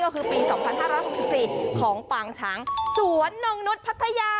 ก็คือปี๒๕๖๔ของปางช้างสวนนงนุษย์พัทยา